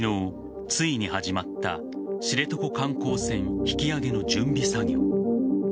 昨日ついに始まった知床観光船引き揚げの準備作業。